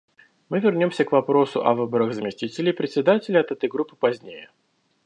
Мы вернемся к вопросу о выборах заместителей Председателя от этой Группы позднее.